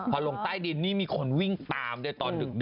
พอลงใต้ดินมีคนวิ่งตามดึ๊ก